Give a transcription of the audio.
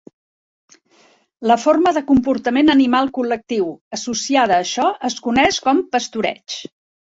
La forma de comportament animal col·lectiu associada a això es coneix com "pastoreig".